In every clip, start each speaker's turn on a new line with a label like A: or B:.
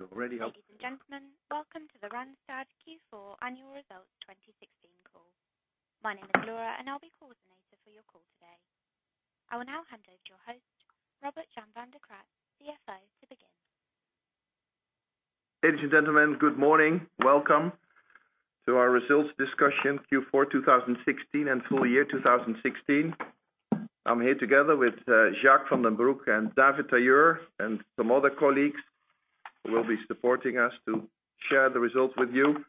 A: You're already up.
B: Ladies and gentlemen, welcome to the Randstad Q4 Annual Results 2016 call. My name is Laura and I'll be coordinator for your call today. I will now hand over to your host, Robert Jan van de Kraats, CFO, to begin.
A: Ladies and gentlemen, good morning. Welcome to our results discussion, Q4 2016 and full year 2016. I'm here together with Jacques van den Broek and David Tailleur, and some other colleagues who will be supporting us to share the results with you.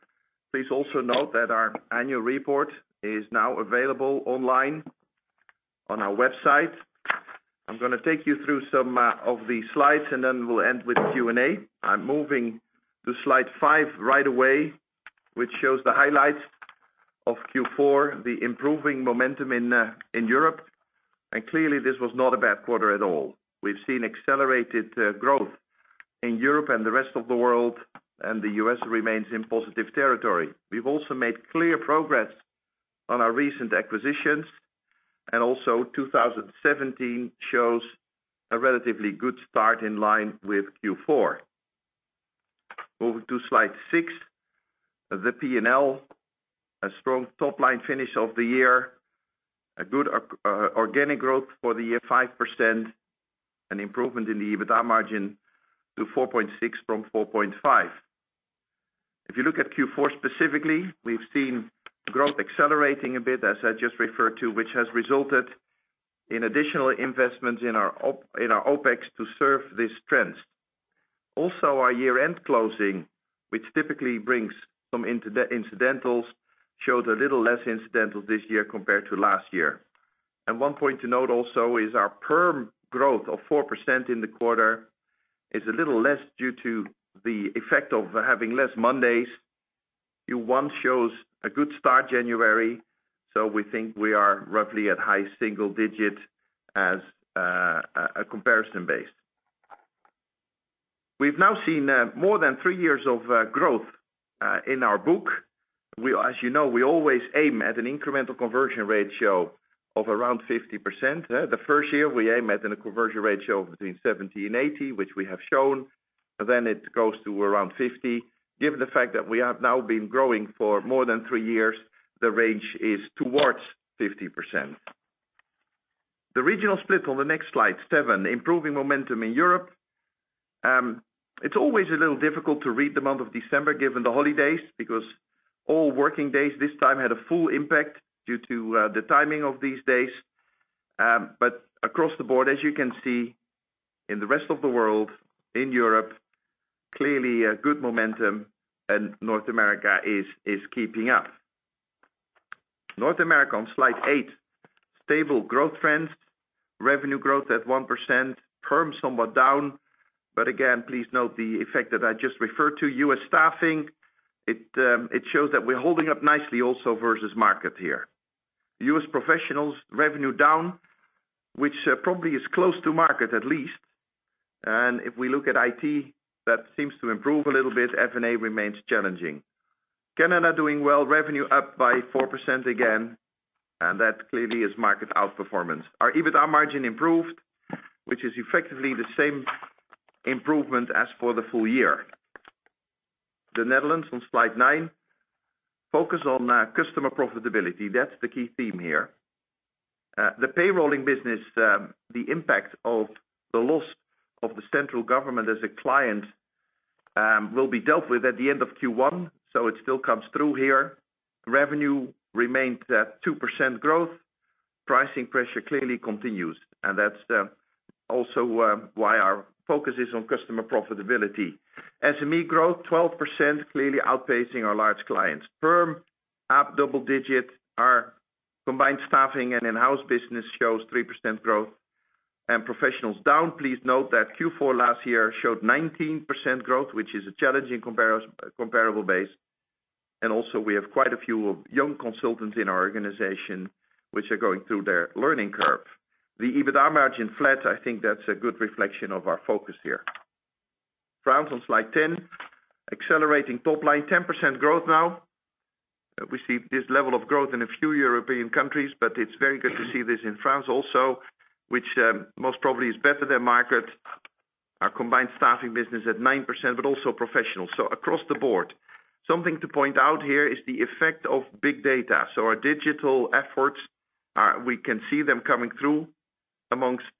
A: Please also note that our annual report is now available online on our website. I'm going to take you through some of the slides and then we'll end with Q&A. I'm moving to slide five right away, which shows the highlights of Q4, the improving momentum in Europe. Clearly this was not a bad quarter at all. We've seen accelerated growth in Europe and the rest of the world, and the U.S. remains in positive territory. We've also made clear progress on our recent acquisitions, and also 2017 shows a relatively good start in line with Q4. Moving to slide six. The P&L. A strong top line finish of the year. A good organic growth for the year, 5%, an improvement in the EBITDA margin to 4.6% from 4.5%. If you look at Q4 specifically, we've seen growth accelerating a bit, as I just referred to, which has resulted in additional investments in our OPEX to serve these trends. Also, our year-end closing, which typically brings some incidentals, showed a little less incidental this year compared to last year. One point to note also is our perm growth of 4% in the quarter is a little less due to the effect of having less Mondays. Q1 shows a good start, January, so we think we are roughly at high single digit as a comparison base. We've now seen more than three years of growth in our book. As you know, we always aim at an incremental conversion ratio of around 50%. The first year we aim at a conversion ratio between 70 and 80, which we have shown. It goes to around 50. Given the fact that we have now been growing for more than three years, the range is towards 50%. The regional split on the next slide, seven. Improving momentum in Europe. It's always a little difficult to read the month of December given the holidays, because all working days this time had a full impact due to the timing of these days. Across the board, as you can see, in the rest of the world, in Europe, clearly a good momentum, and North America is keeping up. North America on slide eight. Stable growth trends. Revenue growth at 1%, perm somewhat down. Again, please note the effect that I just referred to. U.S. staffing, it shows that we're holding up nicely also versus market here. U.S. professionals revenue down, which probably is close to market at least. If we look at IT, that seems to improve a little bit. F&A remains challenging. Canada doing well. Revenue up by 4% again, that clearly is market outperformance. Our EBITDA margin improved, which is effectively the same improvement as for the full year. The Netherlands on slide nine. Focus on customer profitability. That's the key theme here. The payrolling business, the impact of the loss of the central government as a client, will be dealt with at the end of Q1, so it still comes through here. Revenue remains at 2% growth. Pricing pressure clearly continues, that's also why our focus is on customer profitability. SME growth 12%, clearly outpacing our large clients. Perm up double digit. Our combined staffing and in-house business shows 3% growth and professionals down. Please note that Q4 last year showed 19% growth, which is a challenging comparable base. Also we have quite a few young consultants in our organization which are going through their learning curve. The EBITDA margin flat, I think that's a good reflection of our focus here. France on slide 10. Accelerating top line, 10% growth now. We see this level of growth in a few European countries, it's very good to see this in France also, which most probably is better than market. Our combined staffing business at 9%, also professionals. Across the board. Something to point out here is the effect of big data. Our digital efforts, we can see them coming through. Amongst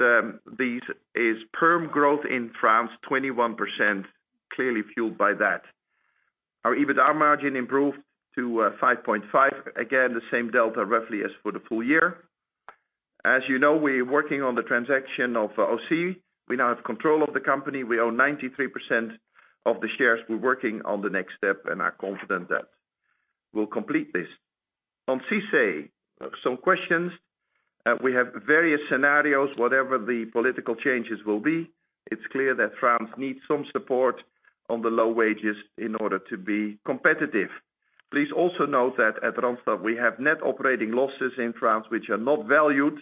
A: these is perm growth in France, 21%, clearly fueled by that. Our EBITDA margin improved to 5.5. Again, the same delta roughly as for the full year. As you know, we're working on the transaction of Ausy. We now have control of the company. We own 93% of the shares. We're working on the next step and are confident that we'll complete this. On CICE, some questions. We have various scenarios. Whatever the political changes will be, it's clear that France needs some support on the low wages in order to be competitive. Please also note that at Randstad, we have net operating losses in France which are not valued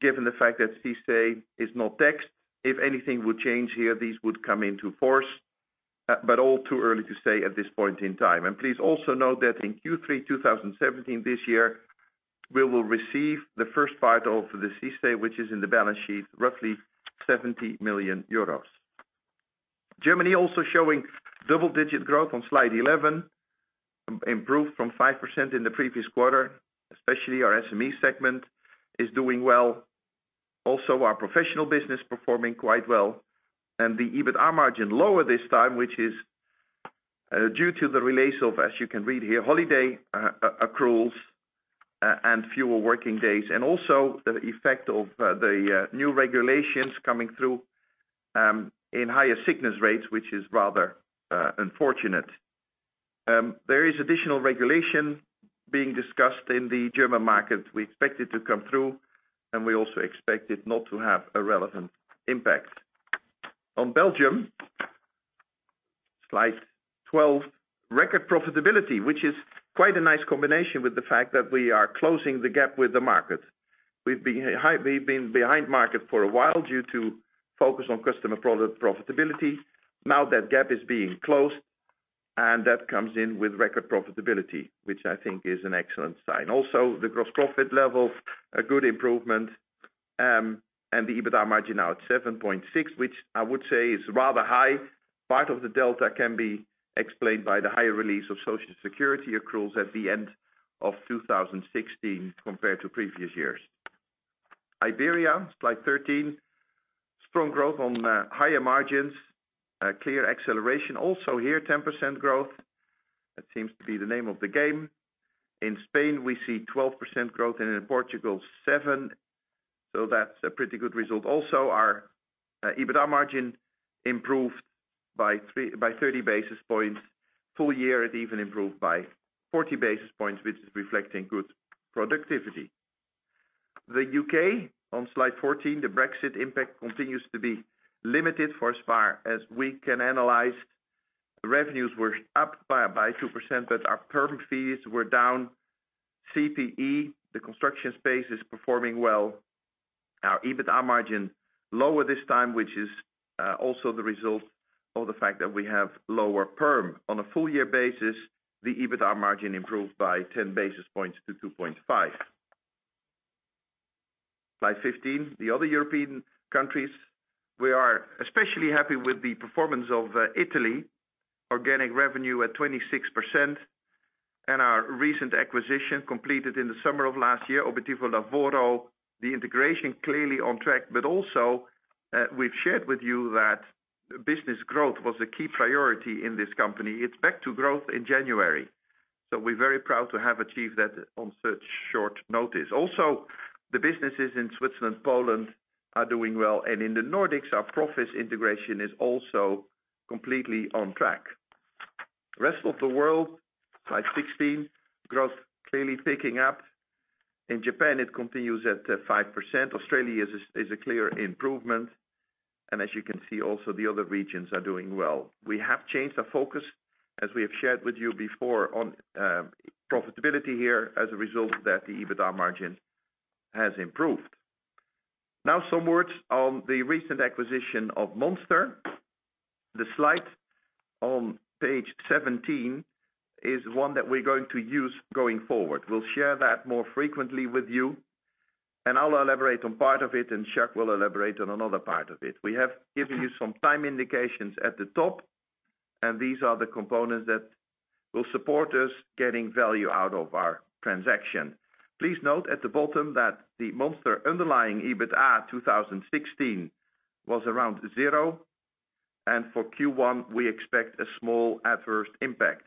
A: given the fact that CICE is not taxed. If anything would change here, these would come into force. All too early to say at this point in time. Please also note that in Q3 2017, this year, we will receive the first part of the CICE, which is in the balance sheet, roughly 70 million euros. Germany also showing double-digit growth on slide 11, improved from 5% in the previous quarter. Especially our SME segment is doing well. Our professional business performing quite well and the EBITDA margin lower this time, which is due to the release of, as you can read here, holiday accruals and fewer working days. Also the effect of the new regulations coming through, in higher sickness rates, which is rather unfortunate. There is additional regulation being discussed in the German market. We expect it to come through, and we also expect it not to have a relevant impact. On Belgium, slide 12, record profitability, which is quite a nice combination with the fact that we are closing the gap with the market. We've been behind market for a while due to focus on customer profitability. Now that gap is being closed, and that comes in with record profitability, which I think is an excellent sign. Also, the gross profit level, a good improvement. The EBITDA margin now at 7.6, which I would say is rather high. Part of the delta can be explained by the higher release of Social Security accruals at the end of 2016 compared to previous years. Iberia, slide 13. Strong growth on higher margins. Clear acceleration also here, 10% growth. That seems to be the name of the game. In Spain, we see 12% growth, and in Portugal, 7%. That's a pretty good result. Also, our EBITDA margin improved by 30 basis points. Full year, it even improved by 40 basis points, which is reflecting good productivity. The U.K., on slide 14, the Brexit impact continues to be limited for as far as we can analyze. The revenues were up by 2%, but our perm fees were down. CPE, the construction space, is performing well. Our EBITDA margin lower this time, which is also the result of the fact that we have lower perm. On a full year basis, the EBITDA margin improved by 10 basis points to 2.5. Slide 15, the other European countries. We are especially happy with the performance of Italy. Organic revenue at 26%, and our recent acquisition completed in the summer of last year, Obiettivo Lavoro, the integration clearly on track, but also, we've shared with you that business growth was a key priority in this company. It's back to growth in January. We're very proud to have achieved that on such short notice. Also, the businesses in Switzerland, Poland are doing well. In the Nordics, our Proffice integration is also completely on track. Rest of the world, slide 16. Growth clearly picking up. In Japan, it continues at 5%. Australia is a clear improvement. As you can see, also the other regions are doing well. We have changed the focus, as we have shared with you before, on profitability here. As a result of that, the EBITDA margin has improved. Now some words on the recent acquisition of Monster. The slide on page 17 is one that we're going to use going forward. We'll share that more frequently with you, and I'll elaborate on part of it, and Jacques will elaborate on another part of it. We have given you some time indications at the top, and these are the components that will support us getting value out of our transaction. Please note at the bottom that the Monster underlying EBITDA 2016 was around zero, and for Q1, we expect a small adverse impact.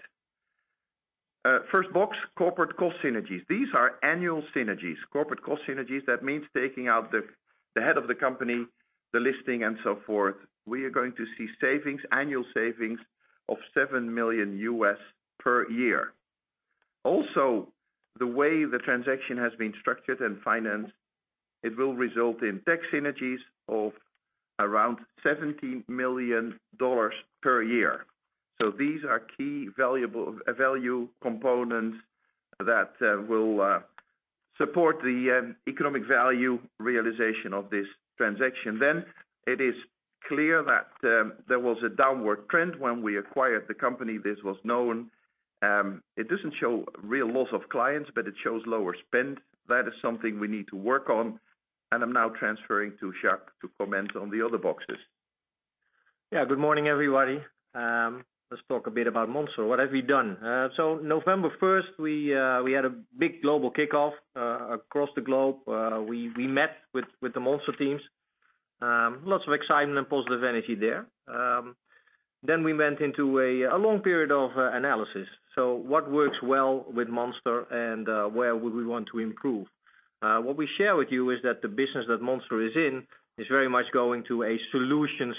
A: First box, corporate cost synergies. These are annual synergies. Corporate cost synergies, that means taking out the head of the company, the listing and so forth. We are going to see annual savings of $7 million per year. Also, the way the transaction has been structured and financed, it will result in tax synergies of around EUR 70 million per year. These are key value components that will support the economic value realization of this transaction. It is clear that there was a downward trend when we acquired the company. This was known. It doesn't show real loss of clients, but it shows lower spend. That is something we need to work on. I'm now transferring to Jacques to comment on the other boxes.
C: Yeah. Good morning, everybody. Let's talk a bit about Monster. What have we done? November 1st, we had a big global kickoff, across the globe. We met with the Monster teams. Lots of excitement and positive energy there. We went into a long period of analysis. What works well with Monster and where would we want to improve? What we share with you is that the business that Monster is in is very much going to a solution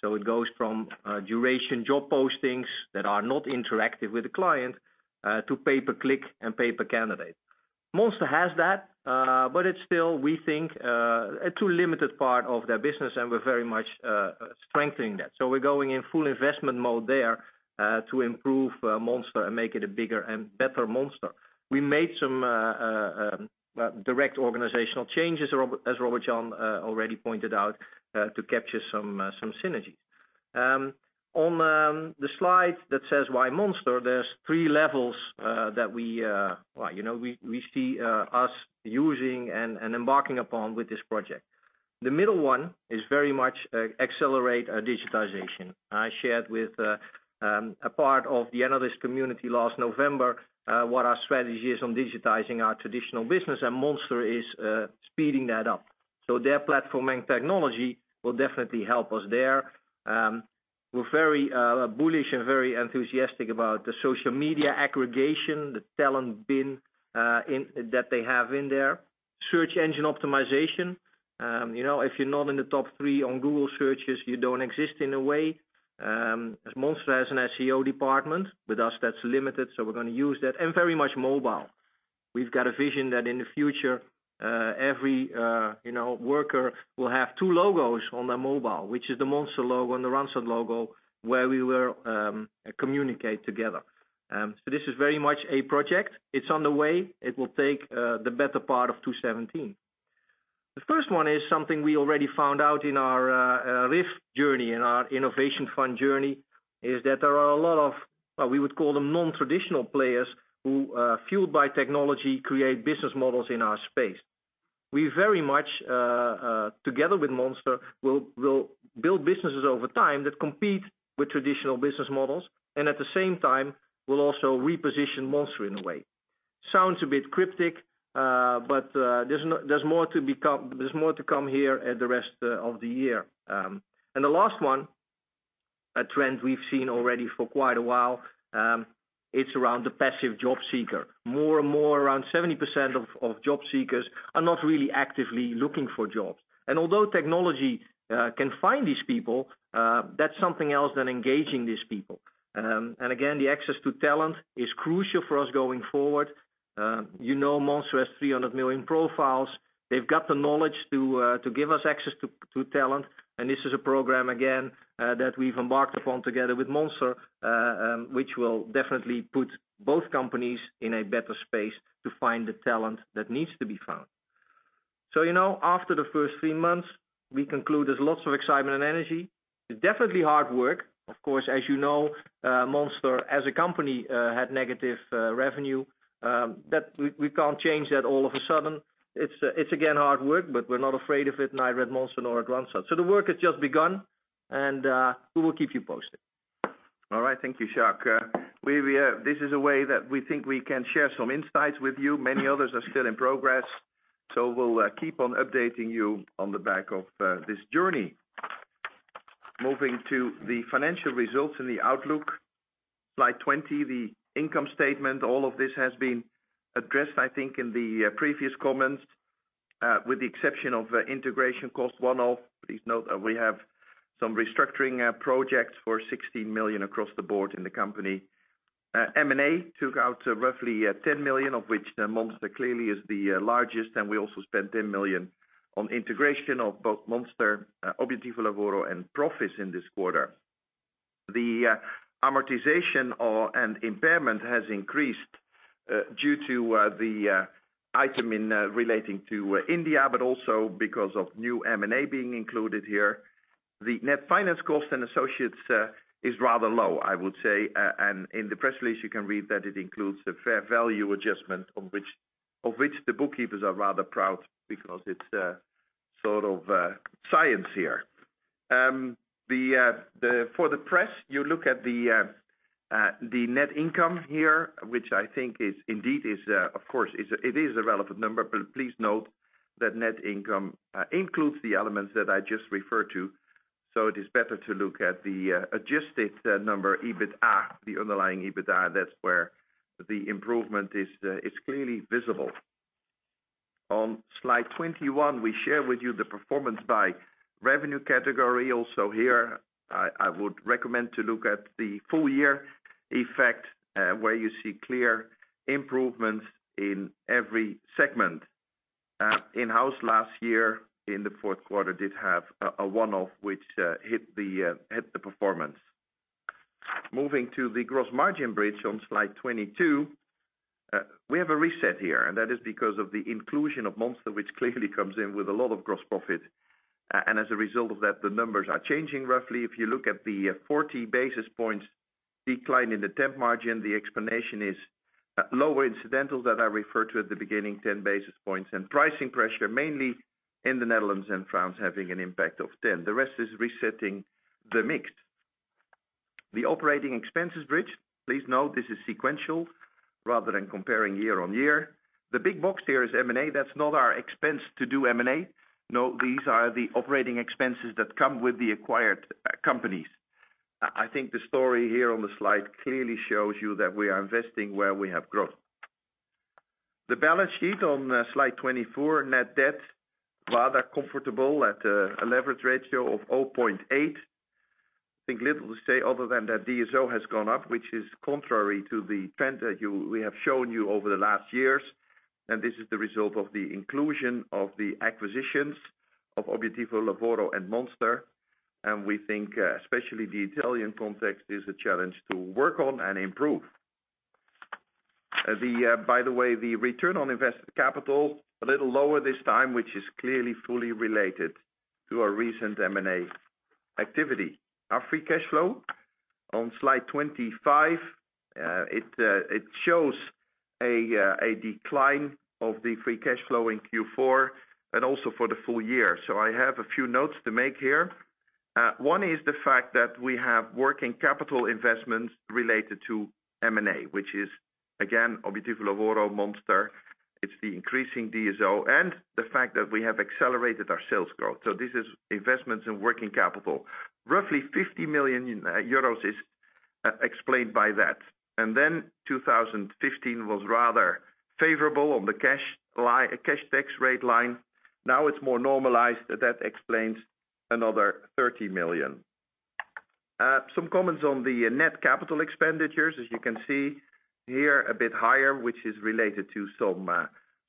C: sell. It goes from duration job postings that are not interactive with the client, to pay per click and pay per candidate. Monster has that, but it's still, we think, a too limited part of their business, and we're very much strengthening that. We're going in full investment mode there, to improve Monster and make it a bigger and better Monster. We made some direct organizational changes, as Robert Jan already pointed out, to capture some synergies. On the slide that says, "Why Monster?" There's three levels that we see us using and embarking upon with this project. The middle one is very much accelerate digitization. I shared with a part of the analyst community last November what our strategy is on digitizing our traditional business, and Monster is speeding that up. Their platform and technology will definitely help us there. We're very bullish and very enthusiastic about the social media aggregation, the TalentBin that they have in there. Search engine optimization. If you're not in the top three on Google searches, you don't exist in a way. As Monster has an SEO department, with us that's limited, we're going to use that. Very much mobile. We've got a vision that in the future, every worker will have two logos on their mobile, which is the Monster logo and the Randstad logo, where we will communicate together. This is very much a project. It's on the way. It will take the better part of 2017. The first one is something we already found out in our RIF journey, in our innovation fund journey, is that there are a lot of, we would call them non-traditional players who, fueled by technology, create business models in our space. We very much, together with Monster, will build businesses over time that compete with traditional business models and at the same time will also reposition Monster in a way. Sounds a bit cryptic, but there's more to come here at the rest of the year. The last one, a trend we've seen already for quite a while, it's around the passive job seeker. More and more, around 70% of job seekers are not really actively looking for jobs. Although technology can find these people, that's something else than engaging these people. Again, the access to talent is crucial for us going forward. You know Monster has 300 million profiles. They've got the knowledge to give us access to talent. This is a program, again, that we've embarked upon together with Monster, which will definitely put both companies in a better space to find the talent that needs to be found. After the first three months, we conclude there's lots of excitement and energy. It's definitely hard work. Of course, as you know, Monster as a company had negative revenue. We can't change that all of a sudden. It's again, hard work, but we're not afraid of it, neither at Monster nor at Randstad. The work has just begun, and we will keep you posted.
A: All right. Thank you, Jacques. This is a way that we think we can share some insights with you. Many others are still in progress. We'll keep on updating you on the back of this journey. Moving to the financial results and the outlook. Slide 20, the income statement. All of this has been addressed, I think, in the previous comments, with the exception of integration cost one-off. Please note that we have some restructuring projects for 16 million across the board in the company. M&A took out roughly 10 million, of which Monster clearly is the largest, and we also spent 10 million on integration of both Monster, Obiettivo Lavoro, and Proffice in this quarter. The amortization and impairment has increased due to the item relating to India, but also because of new M&A being included here. The net finance cost and associates is rather low, I would say. In the press release, you can read that it includes the fair value adjustment of which the bookkeepers are rather proud because it's sort of science here. For the press, you look at the net income here, which I think is indeed, of course, it is a relevant number. Please note that net income includes the elements that I just referred to. It is better to look at the adjusted number, EBITDA, the underlying EBITDA. That's where the improvement is clearly visible. On slide 21, we share with you the performance by revenue category. Also here, I would recommend to look at the full year effect, where you see clear improvements in every segment. In-house last year in the fourth quarter did have a one-off, which hit the performance. Moving to the gross margin bridge on slide 22. We have a reset here, and that is because of the inclusion of Monster, which clearly comes in with a lot of gross profit. As a result of that, the numbers are changing. Roughly, if you look at the 40 basis points decline in the temp margin, the explanation is lower incidentals that I referred to at the beginning, 10 basis points. Pricing pressure, mainly in the Netherlands and France, having an impact of 10. The rest is resetting the mix. The operating expenses bridge. Please note this is sequential rather than comparing year-on-year. The big box here is M&A. That's not our expense to do M&A. No, these are the operating expenses that come with the acquired companies. I think the story here on the slide clearly shows you that we are investing where we have growth. The balance sheet on slide 24. Net debt, rather comfortable at a leverage ratio of 0.8. I think little to say other than that DSO has gone up, which is contrary to the trend that we have shown you over the last years. This is the result of the inclusion of the acquisitions of Obiettivo Lavoro and Monster. We think especially the Italian context is a challenge to work on and improve. By the way, the return on invested capital, a little lower this time, which is clearly fully related to our recent M&A activity. Our free cash flow on slide 25, it shows a decline of the free cash flow in Q4 and also for the full year. I have a few notes to make here. One is the fact that we have working capital investments related to M&A, which is again, Obiettivo Lavoro, Monster. It's the increasing DSO and the fact that we have accelerated our sales growth. This is investments in working capital. Roughly 50 million euros is explained by that. Then 2015 was rather favorable on the cash tax rate line. Now it's more normalized. That explains another 30 million. Some comments on the net capital expenditures, as you can see here, a bit higher, which is related to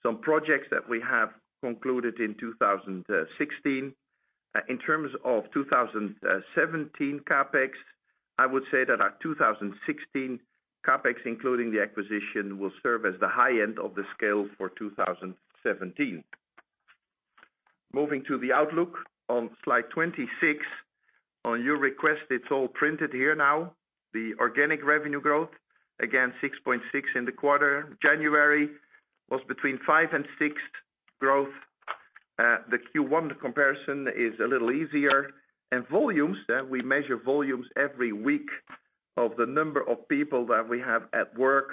A: some projects that we have concluded in 2016. In terms of 2017 CapEx, I would say that our 2016 CapEx, including the acquisition, will serve as the high end of the scale for 2017. Moving to the outlook on slide 26. On your request, it's all printed here now. The organic revenue growth, again, 6.6% in the quarter. January was between five and six growth. The Q1 comparison is a little easier. Volumes, we measure volumes every week of the number of people that we have at work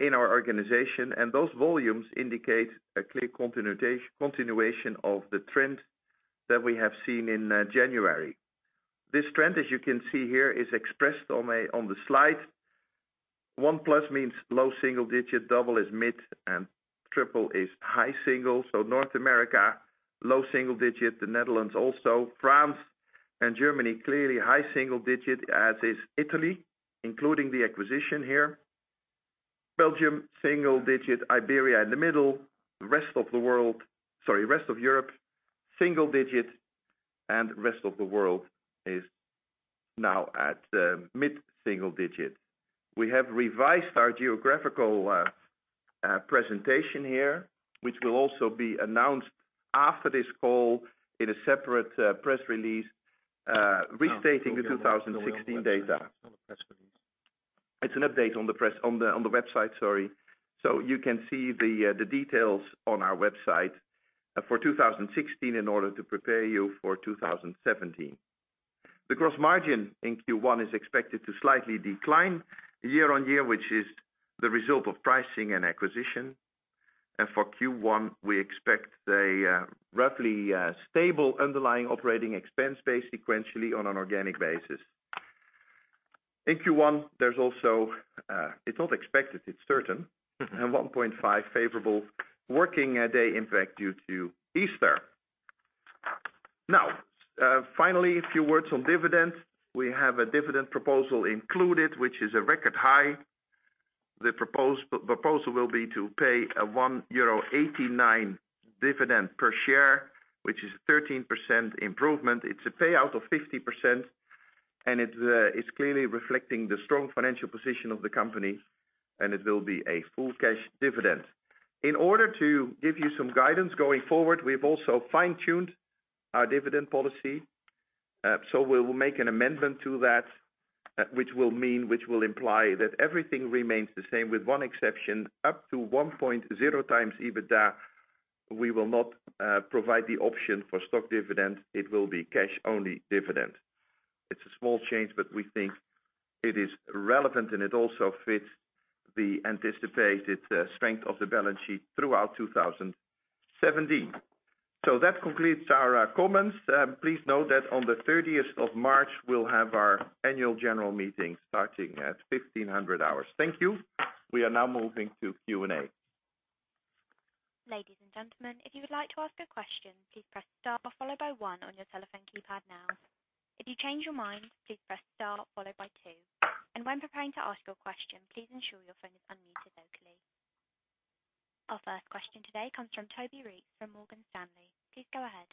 A: in our organization. Those volumes indicate a clear continuation of the trend that we have seen in January. This trend, as you can see here, is expressed on the slide. One plus means low single digit, double is mid, triple is high single. North America, low single digit, the Netherlands also. France and Germany, clearly high single digit, as is Italy, including the acquisition here. Belgium, single digit. Iberia in the middle. Rest of Europe, single digit, rest of the world is now at mid-single digit. We have revised our geographical presentation here, which will also be announced after this call in a separate press release, restating the 2016 data. It's an update on the website. You can see the details on our website for 2016 in order to prepare you for 2017. The gross margin in Q1 is expected to slightly decline year-on-year, which is the result of pricing and acquisition. For Q1, we expect a roughly stable underlying operating expense base sequentially on an organic basis. In Q1, there's also, it's not expected, it's certain, a 1.5 favorable working day impact due to Easter. Finally, a few words on dividends. We have a dividend proposal included, which is a record high. The proposal will be to pay a 1.89 euro dividend per share, which is 13% improvement. It's a payout of 50%, and it is clearly reflecting the strong financial position of the company, and it will be a full cash dividend. In order to give you some guidance going forward, we've also fine-tuned our dividend policy. We will make an amendment to that, which will imply that everything remains the same with one exception, up to 1.0 times EBITDA, we will not provide the option for stock dividend. It will be cash only dividend. It's a small change, but we think it is relevant, and it also fits the anticipated strength of the balance sheet throughout 2017. That concludes our comments. Please note that on the 30th of March, we'll have our annual general meeting starting at 15:00 hours. Thank you. We are now moving to Q&A.
B: Ladies and gentlemen, if you would like to ask a question, please press star followed by one on your telephone keypad now. If you change your mind, please press star followed by two. When preparing to ask your question, please ensure your phone is unmuted locally. Our first question today comes from Toby Rees from Morgan Stanley. Please go ahead.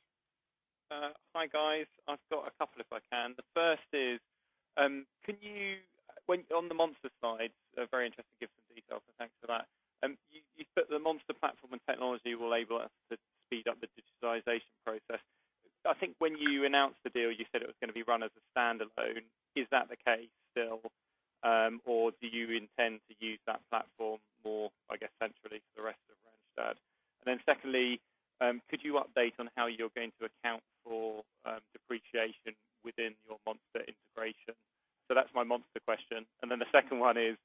D: Hi, guys. I've got a couple if I can. The first is, on the Monster side, very interesting to give some details, so thanks for that. You said the Monster platform and technology will enable us to speed up the digitization process. I think when you announced the deal, you said it was going to be run as a standalone. Is that the case still? Do you intend to use that platform more, I guess, centrally for the rest of Randstad? Secondly, could you update on how you're going to account for depreciation within your Monster integration? That's my Monster question. The second one is,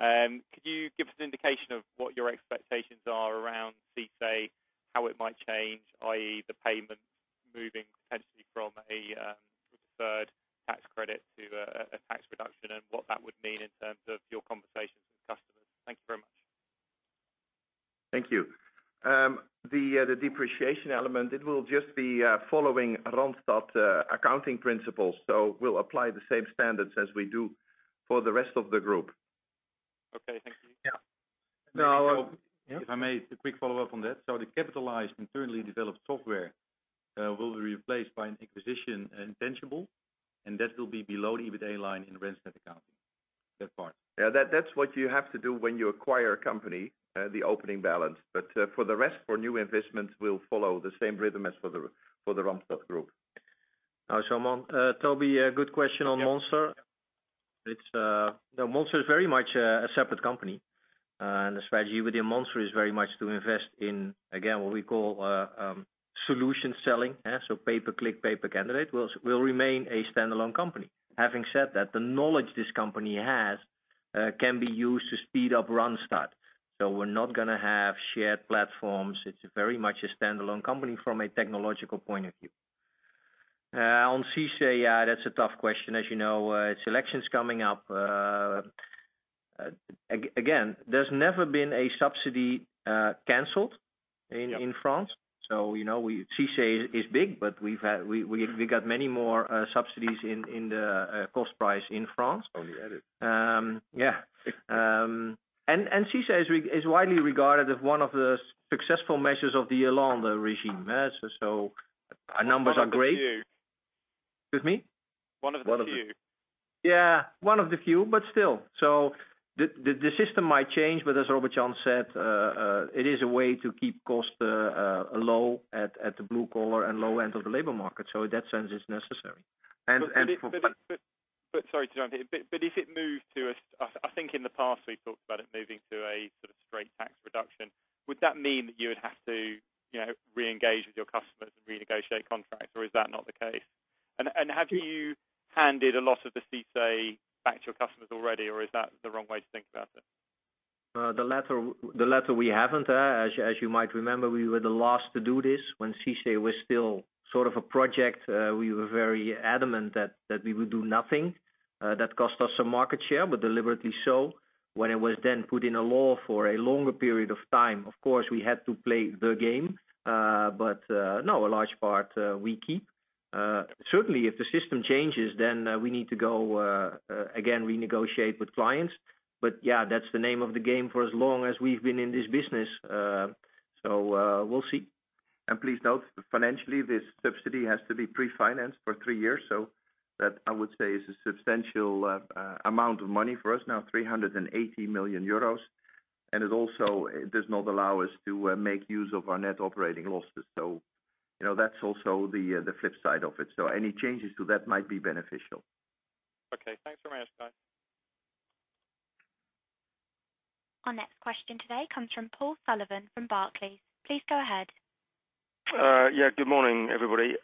D: could you give us an indication of what your expectations are around CICE, how it might change, i.e., the payment moving potentially from a deferred tax credit to a tax reduction, and what that would mean in terms of your conversations with customers? Thank you very much.
A: Thank you. The depreciation element, it will just be following Randstad accounting principles. We'll apply the same standards as we do for the rest of the group.
D: Okay. Thank you.
A: Yeah. If I may, a quick follow-up on that. The capitalized internally developed software
C: That will be below the EBITA line in accounting. That part.
A: Yeah. That's what you have to do when you acquire a company, the opening balance. For the rest, for new investments, we'll follow the same rhythm as for the Randstad group.
C: Now, Toby, a good question on Monster.
A: Yeah.
C: No, Monster is very much a separate company, and the strategy within Monster is very much to invest in, again, what we call solution selling. Pay per click, pay per candidate, will remain a standalone company. Having said that, the knowledge this company has can be used to speed up Randstad. We're not going to have shared platforms. It's very much a standalone company from a technological point of view. On CICE, that's a tough question. As you know, election's coming up. Again, there's never been a subsidy canceled in France.
A: Yeah.
C: CICE is big, but we got many more subsidies in the cost price in France.
A: Only at it.
C: CICE is widely regarded as one of the successful measures of the Hollande regime. Our numbers are great.
D: One of the few.
C: Excuse me?
D: One of the few.
A: One of the few.
C: Yeah, one of the few, but still. The system might change, but as Robert Jan said it is a way to keep costs low at the blue collar and low end of the labor market. In that sense, it's necessary.
D: Sorry to jump in. If it moved to a, in the past, we talked about it moving to a sort of straight tax reduction. Would that mean that you would have to re-engage with your customers and renegotiate contracts, or is that not the case? Have you handed a lot of the CICE back to your customers already, or is that the wrong way to think about it?
C: The latter we haven't. As you might remember, we were the last to do this when CICE was still sort of a project. We were very adamant that we would do nothing. That cost us some market share, but deliberately so. When it was then put in a law for a longer period of time, of course, we had to play the game. No, a large part, we keep. Certainly, if the system changes, we need to go again renegotiate with clients. Yeah, that's the name of the game for as long as we've been in this business. We'll see.
A: Please note, financially, this subsidy has to be pre-financed for three years. That, I would say, is a substantial amount of money for us now, 380 million euros. It also does not allow us to make use of our net operating losses. That's also the flip side of it. Any changes to that might be beneficial.
D: Thanks for answering.
B: Our next question today comes from Paul Sullivan from Barclays. Please go ahead.
E: Yeah, good morning, everybody.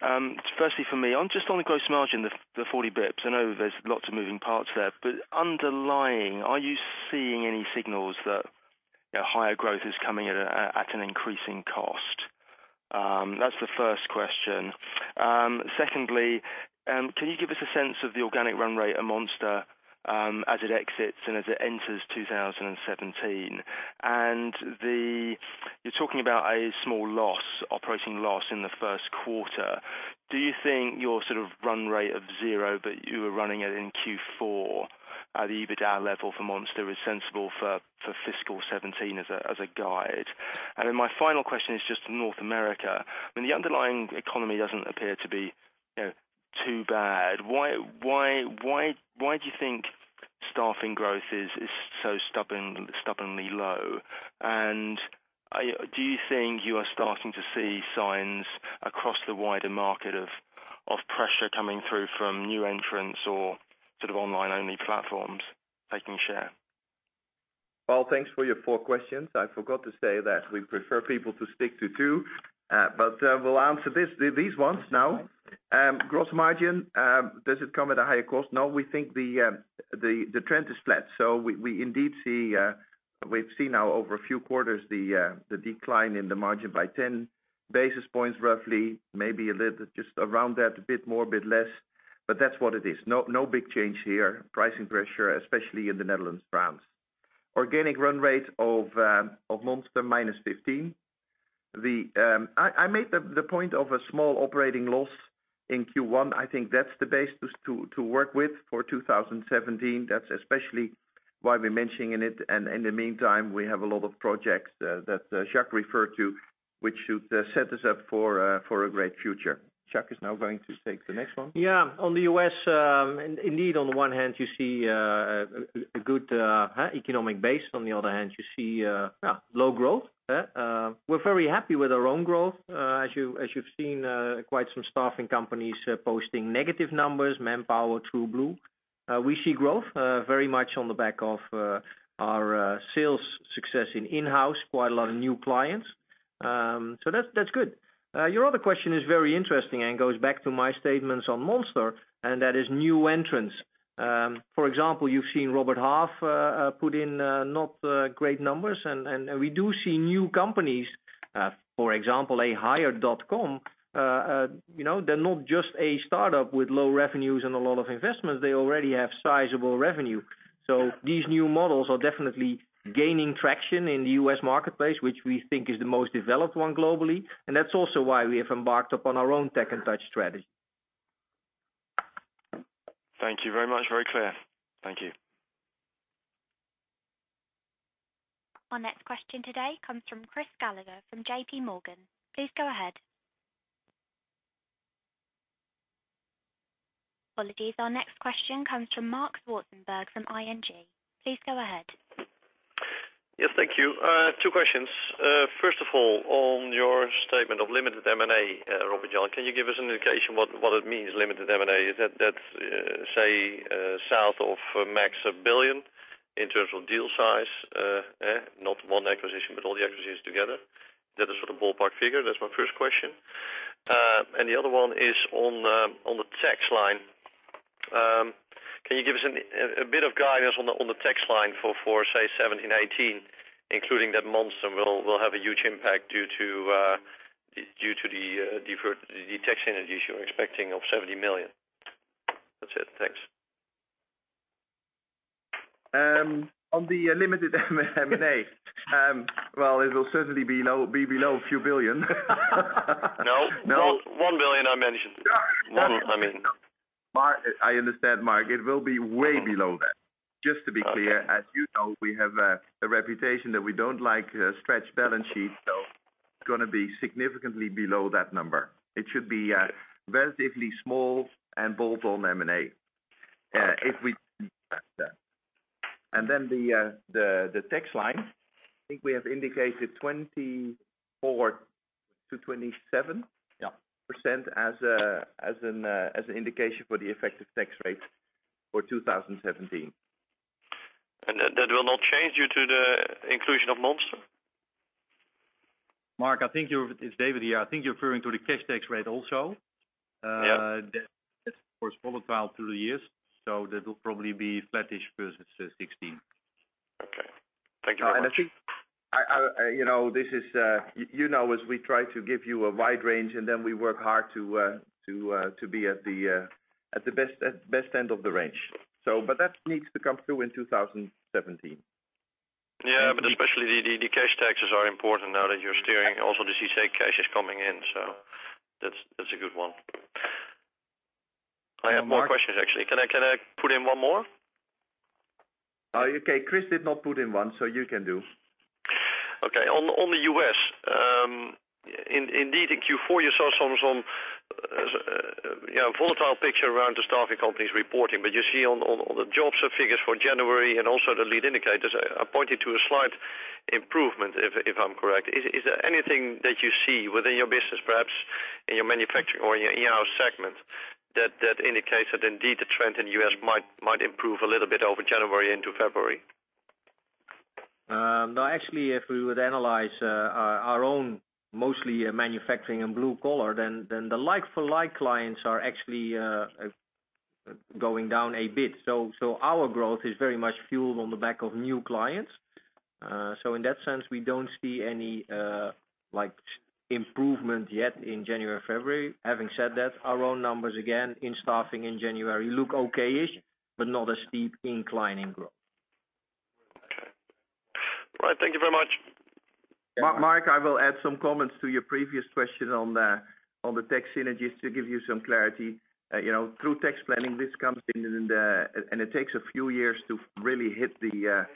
E: Firstly for me, just on the gross margin, the 40 basis points. I know there's lots of moving parts there, but underlying, are you seeing any signals that higher growth is coming at an increasing cost? That's the first question. Secondly, can you give us a sense of the organic run rate at Monster as it exits and as it enters 2017? You're talking about a small loss, operating loss in the first quarter. Do you think your sort of run rate of zero that you were running at in Q4 at the EBITDA level for Monster is sensible for fiscal 2017 as a guide? My final question is just North America. When the underlying economy doesn't appear to be too bad, why do you think staffing growth is so stubbornly low? Do you think you are starting to see signs across the wider market of pressure coming through from new entrants or sort of online-only platforms taking share?
A: Paul, thanks for your four questions. I forgot to say that we prefer people to stick to two. We'll answer these ones now. Gross margin, does it come at a higher cost? No, we think the trend is flat. We indeed see, we've seen now over a few quarters the decline in the margin by 10 basis points roughly, maybe a little, just around that, a bit more, a bit less, but that's what it is. No big change here. Pricing pressure, especially in the Netherlands branch. Organic run rate of Monster, minus 15. I made the point of a small operating loss in Q1. I think that's the base to work with for 2017. That's especially why we're mentioning it. In the meantime, we have a lot of projects that Jacques referred to, which should set us up for a great future. Jacques is now going to take the next one.
C: Yeah. On the U.S., indeed on the one hand, you see a good economic base. On the other hand, you see low growth. We're very happy with our own growth. As you've seen, quite some staffing companies posting negative numbers, Manpower, TrueBlue. We see growth very much on the back of our sales success in in-house, quite a lot of new clients. That's good. Your other question is very interesting and goes back to my statements on Monster, and that is new entrants. For example, you've seen Robert Half put in not great numbers, and we do see new companies, for example, Hired.com. They're not just a startup with low revenues and a lot of investments. They already have sizable revenue. These new models are definitely gaining traction in the U.S. marketplace, which we think is the most developed one globally. That's also why we have embarked upon our own tech and touch strategy.
E: Thank you very much. Very clear. Thank you.
B: Our next question today comes from Chris Gallagher from JPMorgan. Please go ahead. Apologies. Our next question comes from Marc Zwartsenburg from ING. Please go ahead.
F: Yes, thank you. Two questions. First of all, on your statement of limited M&A, Robert Jan, can you give us an indication what it means, limited M&A? Is that, say, south of max 1 billion in terms of deal size? Not one acquisition, but all the acquisitions together. That is for the ballpark figure. That's my first question. The other one is on the tax line. Can you give us a bit of guidance on the tax line for say, 2017, 2018, including that Monster will have a huge impact due to the tax synergies you're expecting of 70 million. That's it. Thanks.
A: On the limited M&A. Well, it will certainly be below a few billion EUR.
F: No.
A: No?
F: 1 billion, I mentioned. One.
A: Marc. I understand, Marc. It will be way below that. Just to be clear, as you know, we have a reputation that we don't like stretched balance sheets, so it's going to be significantly below that number. It should be relatively small and bold on M&A.
F: Okay.
A: If we then the tax line, I think we have indicated 24%-27%?
C: Yeah.
A: % as an indication for the effective tax rate for 2017.
F: That will not change due to the inclusion of Monster?
G: Marc, it's David here. I think you're referring to the cash tax rate also. Yeah. That was volatile through the years, so that will probably be flattish versus 2016.
F: Okay. Thank you very much.
A: I think, as you know, as we try to give you a wide range, and then we work hard to be at the best end of the range. That needs to come through in 2017.
F: Especially the cash taxes are important now that you're steering. The CICE cash is coming in. That's a good one. I have more questions, actually. Can I put in one more?
A: Chris did not put in one. You can do.
F: On the U.S. Indeed, in Q4, you saw some volatile picture around the staffing companies reporting. You see on the jobs figures for January. The lead indicators are pointing to a slight improvement, if I'm correct. Is there anything that you see within your business, perhaps in your manufacturing or in your E&S segment, that indicates that indeed the trend in the U.S. might improve a little bit over January into February?
C: If we would analyze our own mostly manufacturing and blue collar, the like for like clients are actually going down a bit. Our growth is very much fueled on the back of new clients. In that sense, we don't see any improvement yet in January, February. Having said that, our own numbers again, in staffing in January look okay-ish, but not a steep incline in growth.
F: Okay. All right. Thank you very much.
A: Marc, I will add some comments to your previous question on the tax synergies to give you some clarity. Through tax planning, this comes in, and it takes a few years to really hit the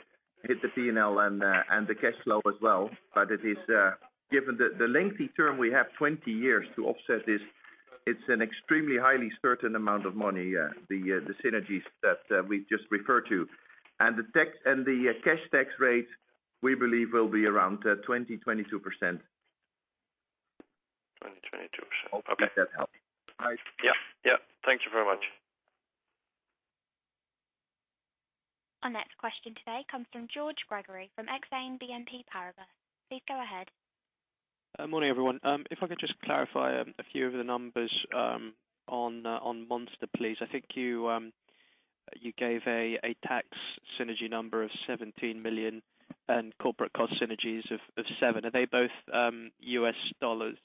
A: P&L and the cash flow as well. Given the lengthy term, we have 20 years to offset this. It's an extremely highly certain amount of money, the synergies that we just referred to. The cash tax rate we believe will be around 20, 22%.
F: 20, 22%. Okay.
A: Hope that helps.
F: Yeah. Thank you very much.
B: Our next question today comes from George Gregory from Exane BNP Paribas. Please go ahead.
H: Morning, everyone. If I could just clarify a few of the numbers on Monster, please. I think you gave a tax synergy number of $17 million and corporate cost synergies of $7. Are they both US dollars?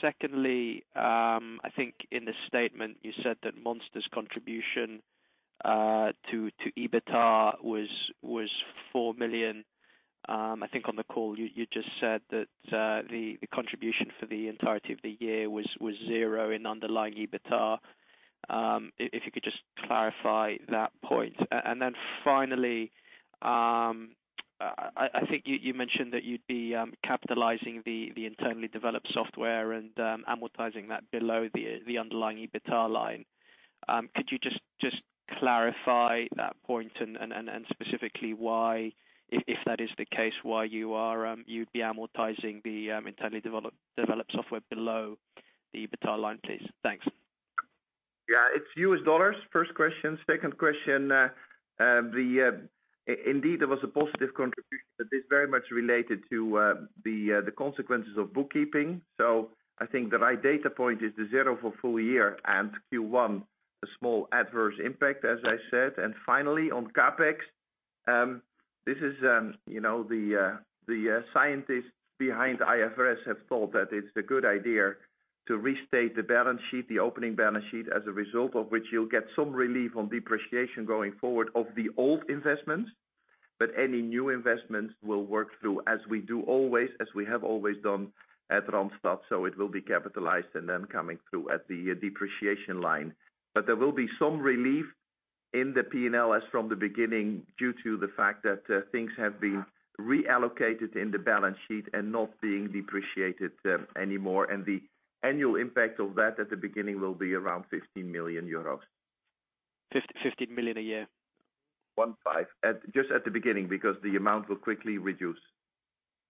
H: Secondly, I think in the statement you said that Monster's contribution to EBITDA was $4 million. I think on the call you just said that the contribution for the entirety of the year was zero in underlying EBITDA. If you could just clarify that point. Finally, I think you mentioned that you'd be capitalizing the internally developed software and amortizing that below the underlying EBITDA line. Could you just clarify that point and specifically why, if that is the case, why you'd be amortizing the internally developed software below the EBITDA line, please? Thanks.
A: Yeah, it's US dollars. First question. Second question. Indeed, there was a positive contribution, but it's very much related to the consequences of bookkeeping. I think the right data point is the zero for full year and Q1, a small adverse impact, as I said. Finally, on CapEx. The scientists behind IFRS have thought that it's a good idea to restate the balance sheet, the opening balance sheet, as a result of which you'll get some relief on depreciation going forward of the old investments. Any new investments will work through as we do always, as we have always done at Randstad. It will be capitalized and then coming through at the depreciation line. There will be some relief
C: In the P&L as from the beginning, due to the fact that things have been reallocated in the balance sheet and not being depreciated anymore. The annual impact of that at the beginning will be around 15 million
H: euros. 15 million a year?
C: 15. Just at the beginning, because the amount will quickly reduce.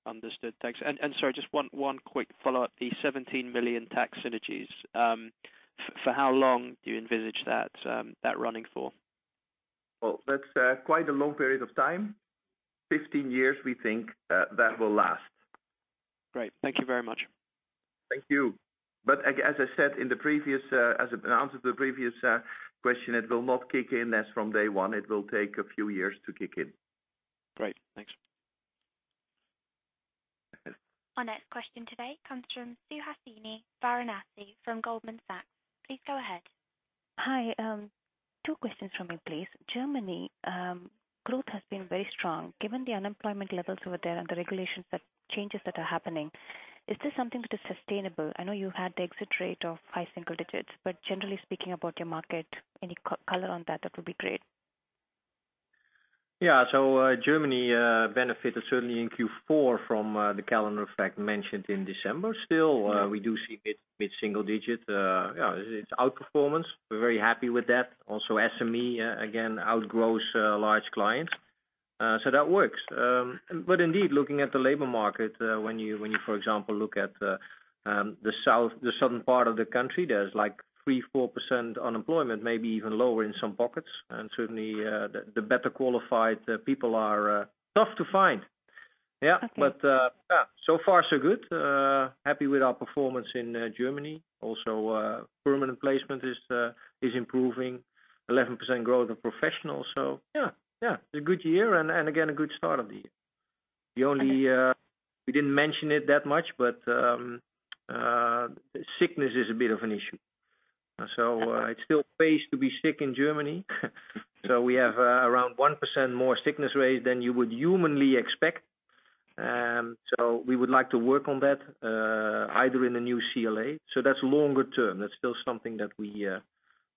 H: Understood. Thanks. Sorry, just one quick follow-up. The 17 million tax synergies, for how long do you envisage that running for?
C: Well, that's quite a long period of time. 15 years, we think that will last.
H: Great. Thank you very much.
C: Thank you. As I said and answered the previous question, it will not kick in as from day one. It will take a few years to kick in.
H: Great. Thanks.
B: Our next question today comes from Suhasini Varanasi from Goldman Sachs. Please go ahead.
I: Hi. Two questions from me, please. Germany, growth has been very strong. Given the unemployment levels over there and the regulations changes that are happening, is this something that is sustainable? I know you had the exit rate of high single digits, generally speaking about your market, any color on that? That would be great.
C: Yeah. Germany benefited certainly in Q4 from the calendar effect mentioned in December. Still, we do see mid-single digit. Yeah, it's outperformance. We are very happy with that. Also SME, again, outgrows large clients. That works. Indeed, looking at the labor market, when you, for example, look at the southern part of the country, there is 3%, 4% unemployment, maybe even lower in some pockets. Certainly, the better qualified people are tough to find. Yeah.
I: Okay.
C: So far so good. Happy with our performance in Germany. Also, permanent placement is improving. 11% growth in professional. Yeah, it's a good year and again, a good start of the year.
I: Okay.
C: We didn't mention it that much, but sickness is a bit of an issue. It still pays to be sick in Germany. We have around 1% more sickness rate than you would humanly expect. We would like to work on that, either in the new CLA. That's longer term. That's still something that we.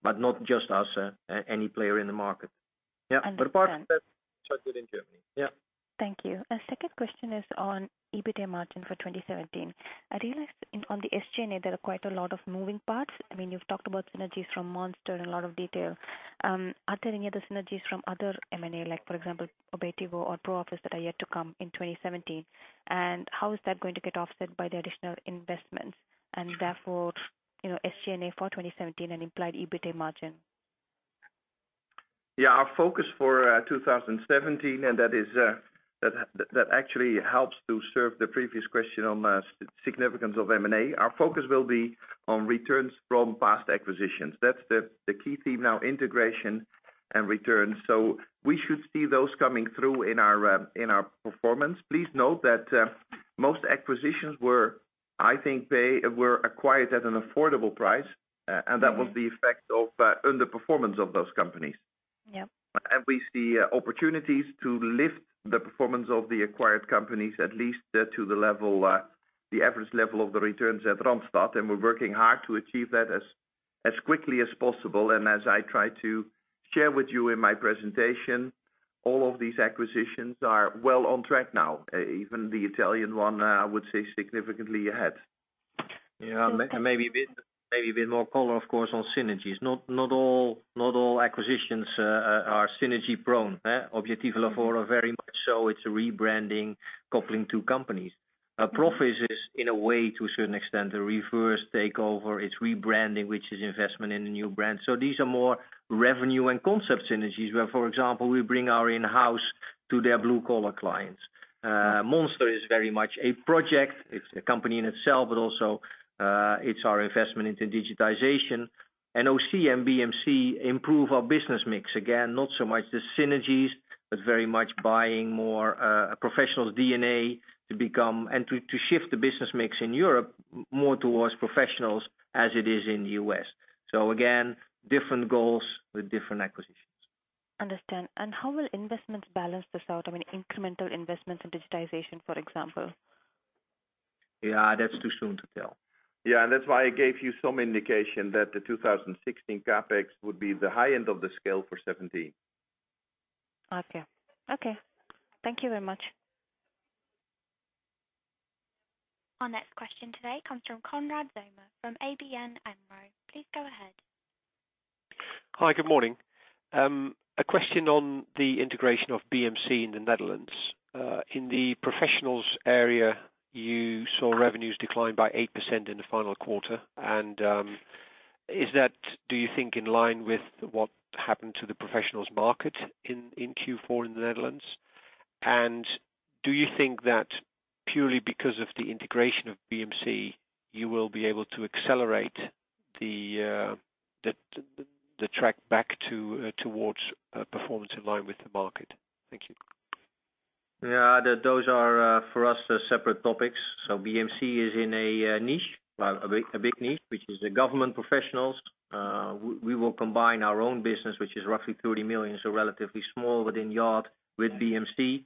C: Not just us, any player in the market. Yeah.
I: Understand.
C: Apart from that, good in Germany. Yeah.
I: Thank you. Second question is on EBITA margin for 2017. I realized on the SG&A, there are quite a lot of moving parts. You've talked about synergies from Monster in a lot of detail. Are there any other synergies from other M&A, like, for example, Obiettivo or Proffice that are yet to come in 2017? How is that going to get offset by the additional investments, and therefore, SG&A for 2017 and implied EBITA margin?
C: Our focus for 2017, that actually helps to serve the previous question on significance of M&A. Our focus will be on returns from past acquisitions. That's the key theme now, integration and returns. We should see those coming through in our performance. Please note that most acquisitions were, I think, acquired at an affordable price, and that was the effect of underperformance of those companies.
I: Yep.
C: We see opportunities to lift the performance of the acquired companies at least to the average level of the returns at Randstad, and we're working hard to achieve that as quickly as possible. As I tried to share with you in my presentation, all of these acquisitions are well on track now. Even the Italian one, I would say, significantly ahead.
I: Okay.
C: Maybe a bit more color, of course, on synergies. Not all acquisitions are synergy-prone. Obiettivo Lavoro very much so it's rebranding, coupling two companies. Proffice is in a way, to a certain extent, a reverse takeover. It's rebranding, which is investment in the new brand. These are more revenue and concept synergies, where, for example, we bring our in-house to their blue-collar clients. Monster is very much a project. It's a company in itself, but also it's our investment into digitization. Ausy and BMC improve our business mix. Again, not so much the synergies, but very much buying more professionals DNA and to shift the business mix in Europe more towards professionals as it is in the U.S. Again, different goals with different acquisitions.
I: Understand. How will investments balance this out? I mean, incremental investments in digitization, for example.
C: Yeah, that's too soon to tell.
A: Yeah, that's why I gave you some indication that the 2016 CapEx would be the high end of the scale for 2017.
I: Okay. Thank you very much.
B: Our next question today comes from Konrad Zomer from ABN AMRO. Please go ahead.
J: Hi. Good morning. A question on the integration of BMC in the Netherlands. In the professionals area, you saw revenues decline by 8% in the final quarter. Is that, do you think, in line with what happened to the professionals market in Q4 in the Netherlands? Do you think that purely because of the integration of BMC, you will be able to accelerate the track back towards performance in line with the market? Thank you.
C: Yeah. Those are, for us, separate topics. BMC is in a niche, a big niche, which is the government professionals. We will combine our own business, which is roughly 30 million, relatively small within Yacht with BMC.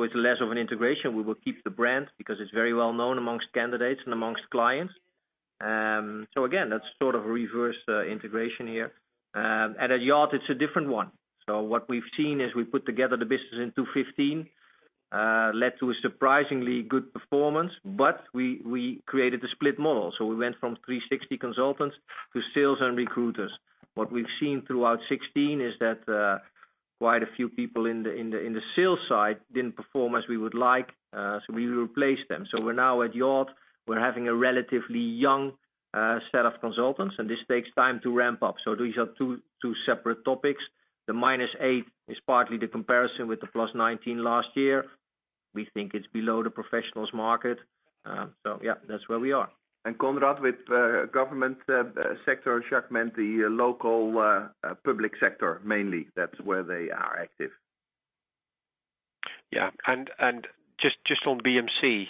C: It's less of an integration. We will keep the brand because it's very well-known amongst candidates and amongst clients. Again, that's sort of a reverse integration here. At Yacht, it's a different one. What we've seen as we put together the business in 2015, led to a surprisingly good performance. We created a split model. We went from 360 consultants to sales and recruiters. What we've seen throughout 2016 is that quite a few people in the sales side didn't perform as we would like, so we replaced them. We're now at Yacht, we're having a relatively young set of consultants, and this takes time to ramp up. These are two separate topics. The -8 is partly the comparison with the +19 last year. We think it's below the professionals market. Yeah, that's where we are.
A: Konrad with government sector segment, the local public sector mainly, that's where they are active.
J: Yeah. Just on BMC,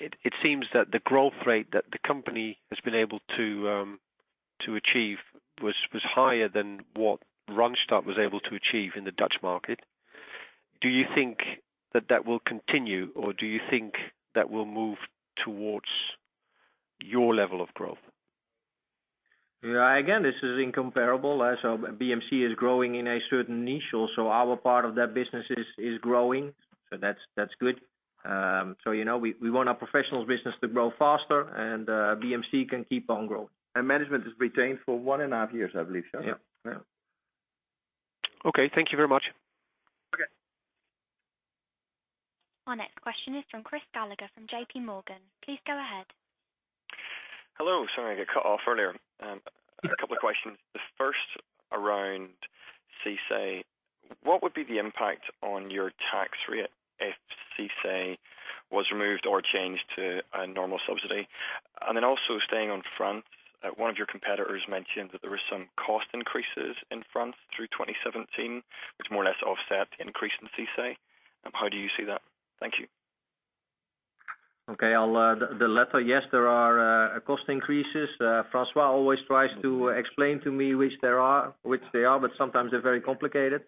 J: it seems that the growth rate that the company has been able to achieve was higher than what Randstad was able to achieve in the Dutch market. Do you think that will continue, or do you think that will move towards your level of growth?
C: Again, this is incomparable. BMC is growing in a certain niche also. Our part of that business is growing, that's good. We want our professionals business to grow faster and BMC can keep on growing.
A: Management is retained for one and a half years, I believe so.
C: Yeah.
J: Okay. Thank you very much.
C: Okay.
B: Our next question is from Chris Gallagher from JPMorgan. Please go ahead.
K: Hello. Sorry, I got cut off earlier. A couple of questions. The first around CICE. What would be the impact on your tax rate if CICE was removed or changed to a normal subsidy? Also staying on France, one of your competitors mentioned that there were some cost increases in France through 2017, which more or less offset increase in CICE. How do you see that? Thank you.
C: Okay. The latter, yes, there are cost increases. François always tries to explain to me which they are, but sometimes they're very complicated.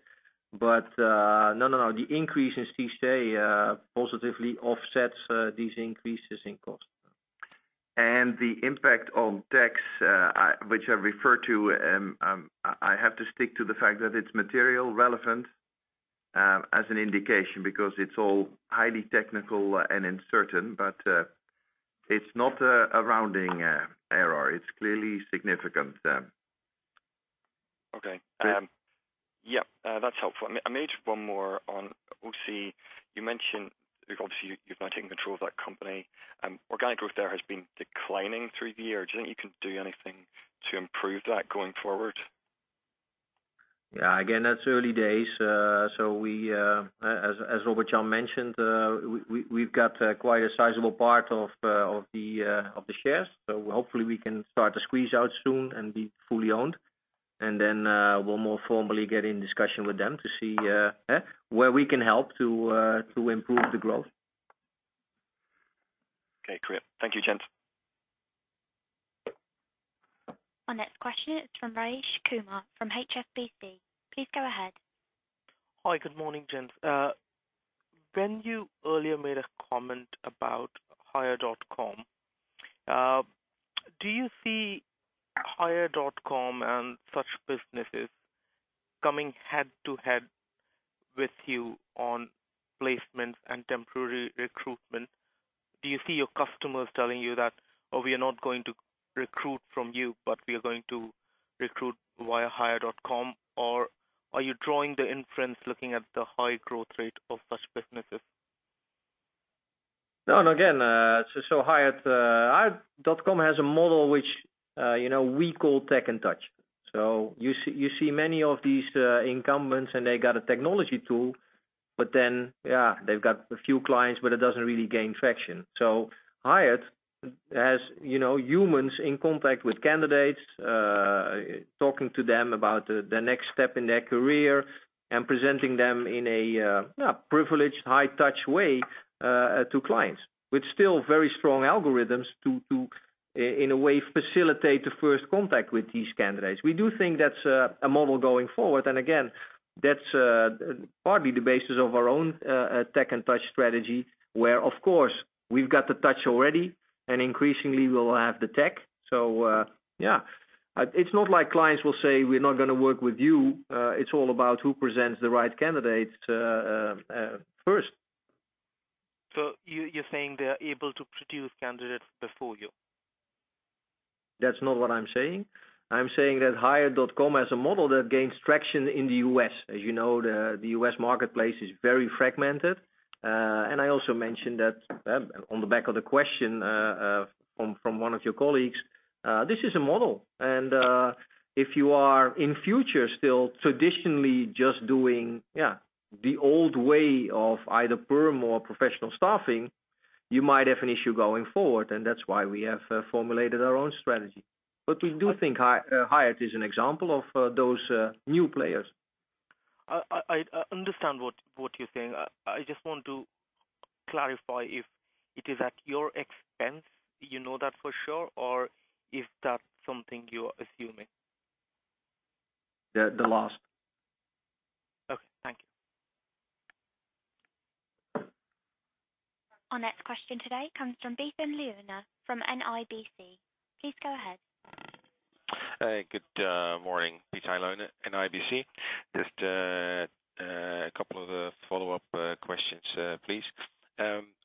C: No, the increase in CICE positively offsets these increases in cost.
A: The impact on tax which I refer to, I have to stick to the fact that it's material relevant as an indication because it's all highly technical and uncertain, but it's not a rounding error. It's clearly significant then.
K: Okay.
A: Good.
K: Yeah. That's helpful. I made one more on Ausy. You mentioned, obviously, you've now taken control of that company. Organic growth there has been declining through the year. Do you think you can do anything to improve that going forward?
C: Yeah. Again, that's early days. As Robert Jan mentioned, we've got quite a sizable part of the shares. Hopefully we can start to squeeze out soon and be fully owned. Then we'll more formally get in discussion with them to see where we can help to improve the growth.
K: Okay, clear. Thank you, gents.
B: Our next question is from Rajesh Kumar from HSBC. Please go ahead.
L: Hi. Good morning, gents. When you earlier made a comment about Hired.com, do you see Hired.com and such businesses coming head to head with you on placements and temporary recruitment? Do you see your customers telling you that, "Oh, we are not going to recruit from you, but we are going to recruit via Hired.com?" Are you drawing the inference looking at the high growth rate of such businesses?
C: No. You see many of these incumbents and they got a technology tool, but then they've got a few clients, but it doesn't really gain traction. Hire has humans in contact with candidates, talking to them about the next step in their career and presenting them in a privileged high-touch way to clients, with still very strong algorithms to, in a way, facilitate the first contact with these candidates. We do think that's a model going forward. That's partly the basis of our own tech and touch strategy, where of course we've got the touch already and increasingly we'll have the tech. It's not like clients will say, "We're not going to work with you." It's all about who presents the right candidates first.
L: You're saying they're able to produce candidates before you?
C: That's not what I'm saying. I'm saying that hire.com has a model that gains traction in the U.S. As you know, the U.S. marketplace is very fragmented. I also mentioned that on the back of the question from one of your colleagues. This is a model, and if you are in future still traditionally just doing the old way of either perm or professional staffing, you might have an issue going forward, and that's why we have formulated our own strategy. We do think Hire is an example of those new players.
L: I understand what you're saying. I just want to clarify if it is at your expense, you know that for sure, or is that something you're assuming?
C: The last.
L: Okay. Thank you.
B: Our next question today comes from Peter Leuner from NIBC. Please go ahead.
M: Hey, good morning. Peter Leuner, NIBC. Just a couple of follow-up questions, please.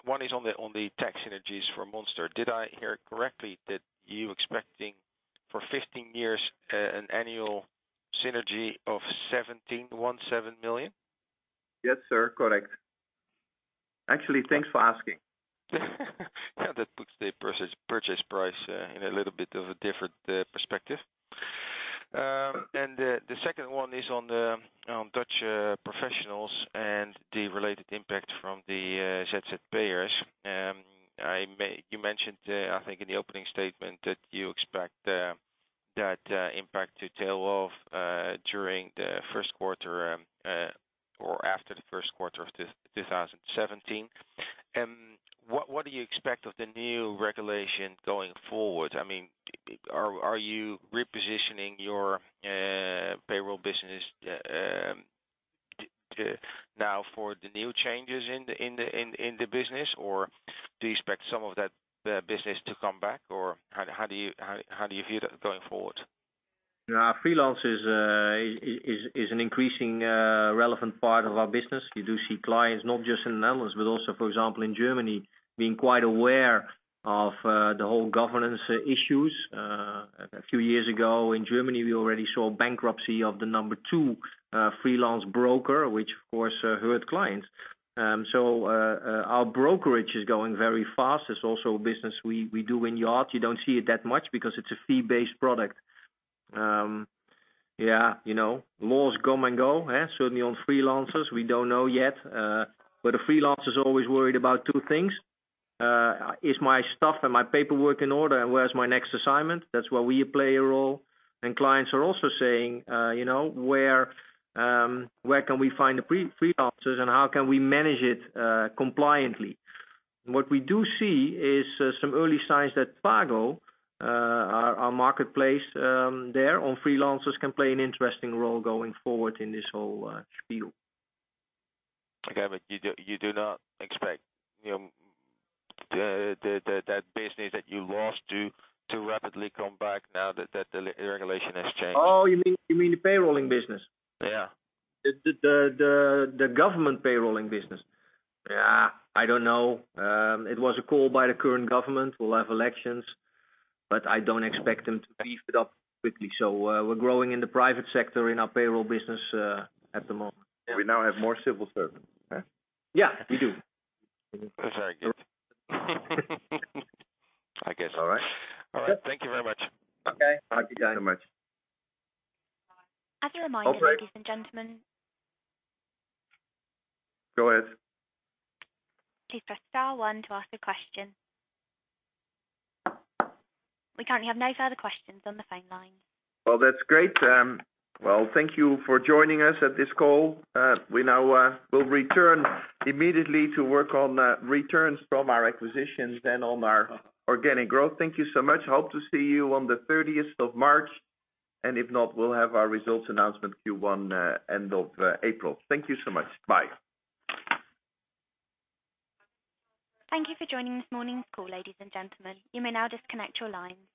M: One is on the tax synergies for Monster. Did I hear correctly that you're expecting for 15 years an annual synergy of 17.17 million?
C: Yes, sir. Correct. Actually, thanks for asking.
M: Yeah, that puts the purchase price in a little bit of a different perspective. The second one is on Dutch professionals and the related impact from the ZZP. You mentioned, I think, in the opening statement that you expect that impact to tail off during the first quarter or after the first quarter of 2017. What do you expect of the new regulation going forward? Are you repositioning your payroll business now for the new changes in the business, or do you expect some of that business to come back? How do you view that going forward?
C: Freelance is an increasingly relevant part of our business. We do see clients, not just in the Netherlands, but also, for example, in Germany, being quite aware of the whole governance issues. A few years ago in Germany, we already saw bankruptcy of the number two freelance broker, which of course hurt clients. Our brokerage is growing very fast. It's also a business we do in Yacht. You don't see it that much because it's a fee-based product. Laws come and go. Certainly on freelancers, we don't know yet. A freelancer is always worried about two things. Is my stuff and my paperwork in order, and where's my next assignment? That's where we play a role. Clients are also saying, "Where can we find the freelancers, and how can we manage it compliantly?" What we do see is some early signs that twago, our marketplace there on freelancers, can play an interesting role going forward in this whole field.
M: Okay. You do not expect that business that you lost to rapidly come back now that the regulation has changed?
C: Oh, you mean the payrolling business?
M: Yeah.
C: The government payrolling business. I don't know. It was a call by the current government. We'll have elections, but I don't expect them to beef it up quickly. We're growing in the private sector in our payroll business at the moment.
M: We now have more civil servants, right?
C: Yeah, we do.
M: Very good. I guess. All right.
C: Yeah.
M: All right. Thank you very much.
C: Okay. Talk to you.
M: Thank you so much.
B: As a reminder, ladies and gentlemen.
C: Go ahead.
B: Please press star one to ask a question. We currently have no further questions on the phone line.
C: Well, that's great. Well, thank you for joining us at this call. We now will return immediately to work on returns from our acquisitions and on our organic growth. Thank you so much. Hope to see you on the 30th of March, and if not, we'll have our results announcement Q1 end of April. Thank you so much. Bye.
B: Thank you for joining this morning's call, ladies and gentlemen. You may now disconnect your line.